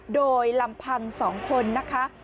โดยลำพัง๒คนนะคะ